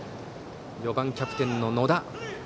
４番、キャプテンの野田。